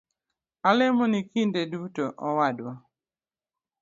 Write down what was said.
Alemoni kinde duto owadwa